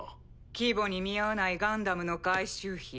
規模に見合わないガンダムの改修費。